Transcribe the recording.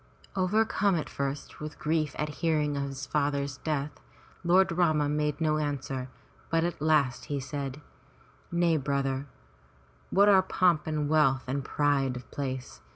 Overcome at first with grief at hearing of his father's death, Lord Rama made no answer, but at last he said: "Nay, brother, what are pomp and wealth and pride of place?